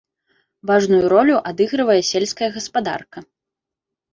Важную ролю адыгрывае сельская гаспадарка.